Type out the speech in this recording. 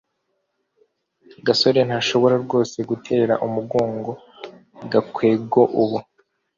gasore ntashobora rwose gutera umugongo gakwego ubu